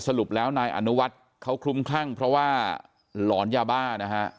สรุปแล้วนายอนุวัฒน์เขาคลุ้มคลั่งเพราะว่าหลอนยาบ้านะฮะ